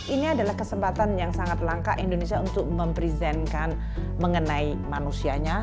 ini adalah kesempatan yang sangat langka indonesia untuk mempresentkan mengenai manusianya